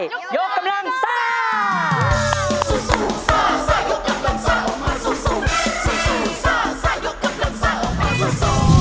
ยกกำลังซ่า